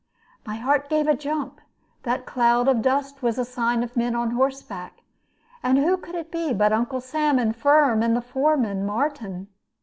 My heart gave a jump: that cloud of dust was a sign of men on horseback. And who could it be but Uncle Sam and Firm and the foreman Martin?